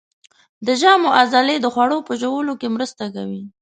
د ژامو عضلې د خوړو په ژوولو کې مرسته کوي.